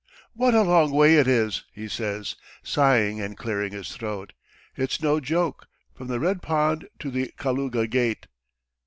"What a long way it is!" he says, sighing and clearing his throat. "It's no joke! From the Red Pond to the Kaluga gate."